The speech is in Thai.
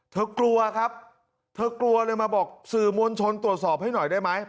กลัวครับเธอกลัวเลยมาบอกสื่อมวลชนตรวจสอบให้หน่อยได้ไหม